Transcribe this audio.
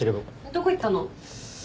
どこ行ったの？